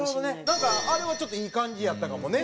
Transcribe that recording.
なんかあれはちょっといい感じやったかもね。